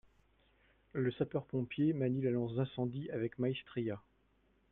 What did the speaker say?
Le sapeur pompier manie la lance d'incendie avec maestria